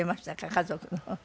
家族の。